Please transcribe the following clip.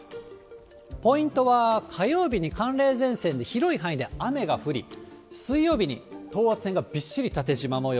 ポイントは、火曜日に寒冷前線で広い範囲で雨が降り、水曜日に等圧線がびっしり縦じま模様。